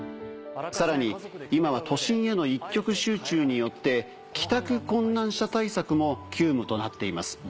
さらに今は都心への一極集中によって帰宅困難者対策も急務となっています。